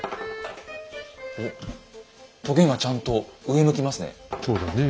おっとげがちゃんと上向きますね。